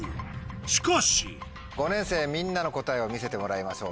しかし５年生みんなの答えを見せてもらいましょう。